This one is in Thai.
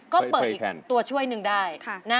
ก็เปิดอีกตัวช่วยหนึ่งได้